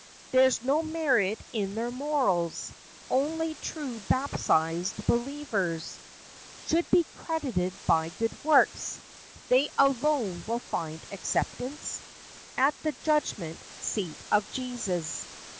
There's no merit in their morals. Only true baptized believers Should be credited by good works. They alone will find acceptance At the judgment seat of Jesus.